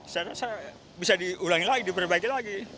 saya rasa bisa diulangi lagi diperbaiki lagi